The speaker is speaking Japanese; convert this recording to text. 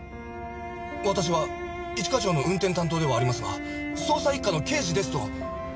私は一課長の運転担当ではありますが捜査一課の刑事ですと。